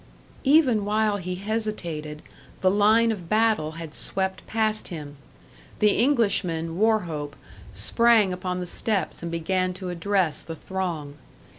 Even while he hesitated, the line of battle had swept past him; the Englishman, Wauchope, sprang upon the steps and began to address the throng.